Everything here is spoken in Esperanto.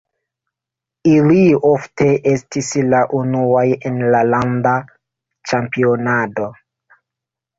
Ili ofte estis la unuaj en la landa ĉampionado.